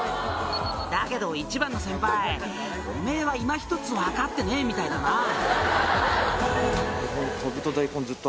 「だけど一番の先輩おめぇはいまひとつ分かってねえみたいだな」